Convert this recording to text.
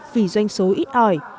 vì doanh số ít ỏi